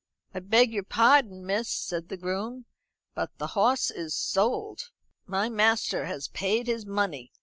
"I beg your pardon, miss," said the groom, "but the hoss is sold. My master has paid his money.